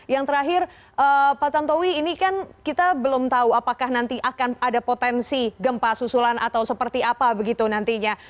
yang terakhir pak tantowi ini kan kita belum tahu apakah nanti akan ada potensi gempa susulan atau seperti apa begitu nantinya